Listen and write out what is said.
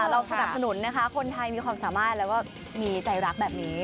เราสนับสนุนนะคะคนไทยมีความสามารถแล้วก็มีใจรักแบบนี้